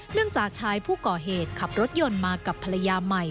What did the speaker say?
จากชายผู้ก่อเหตุขับรถยนต์มากับภรรยาใหม่